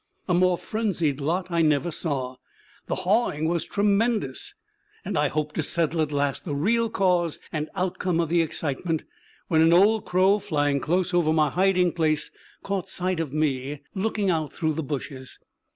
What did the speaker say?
A more frenzied lot I never saw. The hawing was tremendous, and I hoped to settle at last the real cause and outcome of the excitement, when an old crow flying close over my hiding place caught sight of me looking out through the bushes.